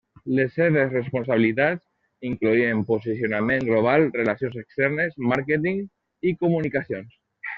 Les seves responsabilitats incloïen posicionament global, relacions externes, màrqueting i comunicacions.